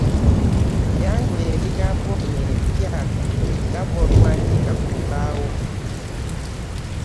Yanjula ebigambo bino ebipya nga bw’obiwandiika ku lubaawo..